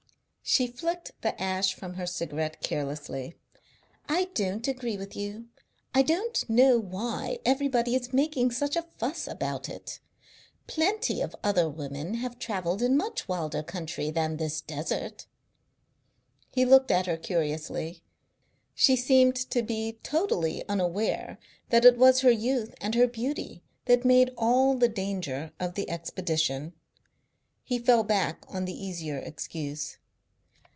She flicked the ash from her cigarette carelessly. "I don't agree with you. I don't know why everybody is making such a fuss about it. Plenty of other women have travelled in much wilder country than this desert." He looked at her curiously. She seemed to be totally unaware that it was her youth and her beauty that made all the danger of the expedition. He fell back on the easier excuse.